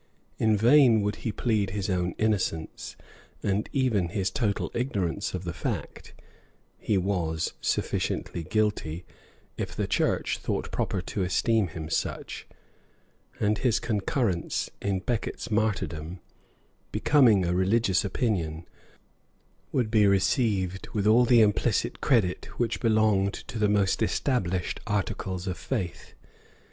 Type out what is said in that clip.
In vain would he plead his own innocence, and even his total ignorance of the fact; he was sufficiently guilty, if the church thought proper to esteem him such; and his concurrence in Becket's martyrdom, becoming a religious opinion, would be received with all the implicit credit which belonged to the most established articles of faith.